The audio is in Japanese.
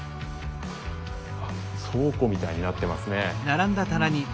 倉庫みたいになってますね。